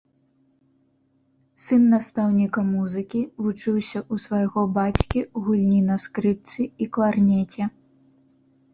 Сын настаўніка музыкі, вучыўся ў свайго бацькі гульні на скрыпцы і кларнеце.